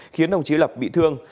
khiến đồng chí lập bị thương